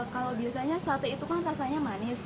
kalau biasanya sate itu kan rasanya manis